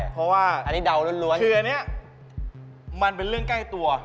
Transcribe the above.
เพราะว่าอันนี้มันเป็นเรื่องใกล้ตัว